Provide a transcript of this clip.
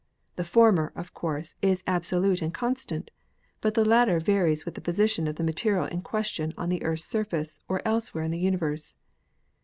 The former, of course, is abso lute and constant, but the latter varies with the position of the material in question on the Earth's surface or else where in the universe.